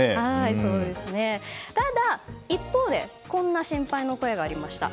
一方でこんな心配の声がありました。